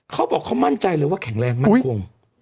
เขาบอกเขามั่นใจเลยว่าแข็งแรงมั่นคง